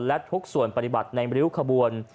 และทุกส่วนปฏิบัติในริ้วขบวน